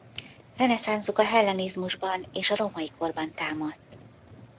Reneszánszuk a hellenizmusban és a római korban támadt.